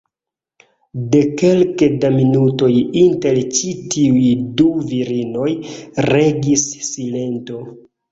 De kelke da minutoj inter ĉi tiuj du virinoj regis silento.